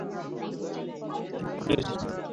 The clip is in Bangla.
তো, এখানে কীসের জন্য এসেছো?